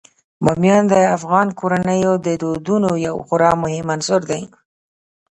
بامیان د افغان کورنیو د دودونو یو خورا مهم عنصر دی.